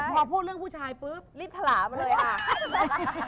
พอพูดเรื่องผู้ชายปุ๊บรีบถลามาเลยค่ะ